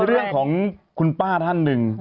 เรื่องของคุณป้าท่านหนึ่ง